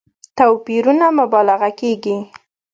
توپيرونو مبالغه کېږي.